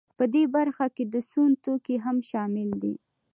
په دې برخه کې د سون توکي هم شامل دي